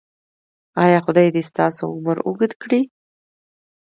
ایا خدای دې ستاسو عمر اوږد کړي؟